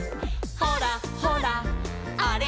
「ほらほらあれあれ」